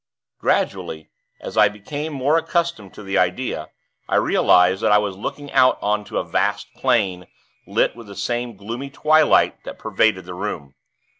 Gradually, as I became more accustomed to the idea, I realized that I was looking out on to a vast plain, lit with the same gloomy twilight that pervaded the room.